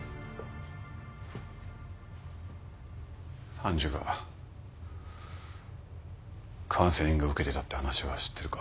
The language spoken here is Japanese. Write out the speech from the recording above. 愛珠がカウンセリングを受けてたって話は知ってるか？